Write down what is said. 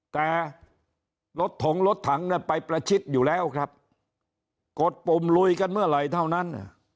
แต่รถถงรถถังเนี่ยไปประชิดอยู่แล้วครับกดปุ่มลุยกันเมื่อไหร่เท่านั้น